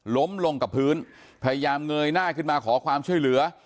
ล้มลงกับพื้นพยายามเงยหน้าขึ้นมาขอความช่วยเหลือ